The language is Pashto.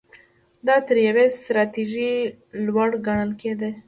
دا تر یوې ستراتیژۍ لوړ ګڼل کېده.